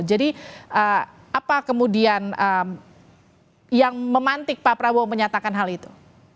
jadi apa kemudian yang memantik pak prabowo menyatakan hal itu